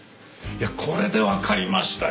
いやこれでわかりましたよ